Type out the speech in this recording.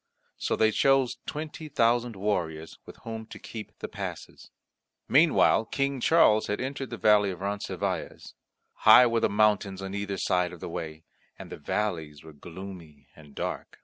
So they chose twenty thousand warriors with whom to keep the passes. Meanwhile King Charles had entered the valley of Roncesvalles. High were the mountains on either side of the way, and the valleys were gloomy and dark.